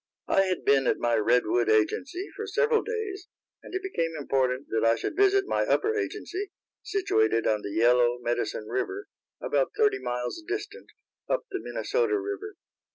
I had been at my Redwood agency for several days, and it became important that I should visit my upper agency, situated on the Yellow Medicine river, about thirty miles distant, up the Minnesota river.